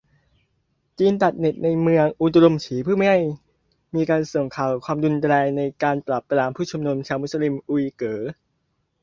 จีนตัดเน็ทในเมือง อุรุมฉี เพื่อไม่ให้มีการส่งข่าวความรุนแรงในการปราบปรามผุ้ชุมนุมชาวมุสลิม อุ๋ยเก๋อ